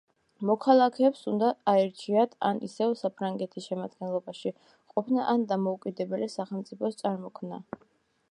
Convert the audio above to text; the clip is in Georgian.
მოქალაქეებს უნდა აერჩიათ ან ისევ საფრანგეთის შემადგენლობაში ყოფნა ან დამოუკიდებელი სახელმწიფოს წარმოქმნა.